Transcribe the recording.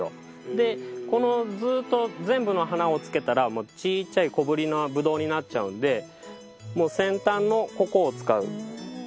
でこのずっと全部の花をつけたらちいちゃい小ぶりなブドウになっちゃうんでもう先端のここを使う。